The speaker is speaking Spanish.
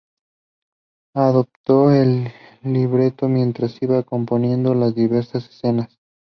Adaptó el libreto mientras iba componiendo las diversas escenas.